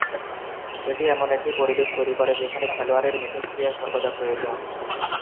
এটি এমন একটি পরিবেশ তৈরি করে যেখানে খেলোয়াড়ের মিথস্ক্রিয়া সর্বদা প্রয়োজন।